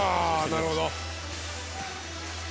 なるほど。